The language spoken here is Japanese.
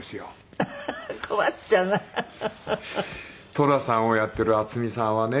「寅さんをやっている渥美さんはね